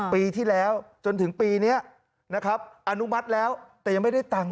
ปีที่แล้วจนถึงปีนี้นะครับอนุมัติแล้วแต่ยังไม่ได้ตังค์